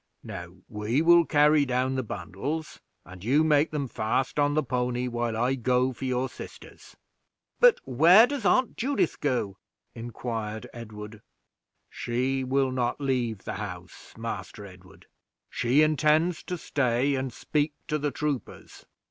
"Now we will carry down the bundles, and you make them fast on the pony while I go for your sisters." "But where does aunt Judith go?" inquired Edward. "She will not leave the house, Master Edward; she intends to stay and speak to the troopers."